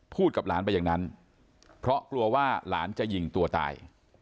กับหลานไปอย่างนั้นเพราะกลัวว่าหลานจะยิงตัวตาย